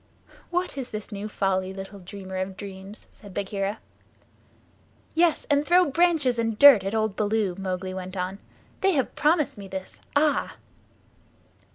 "What is this new folly, little dreamer of dreams?" said Bagheera. "Yes, and throw branches and dirt at old Baloo," Mowgli went on. "They have promised me this. Ah!"